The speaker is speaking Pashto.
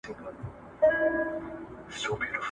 زه له سهاره موسيقي اورم!!